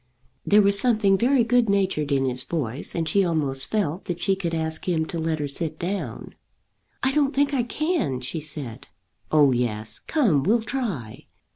There was something very good natured in his voice, and she almost felt that she could ask him to let her sit down. "I don't think I can," she said. "Oh yes; come, we'll try!"